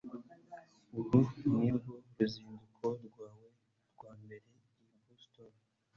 uru nirwo ruzinduko rwawe rwa mbere i boston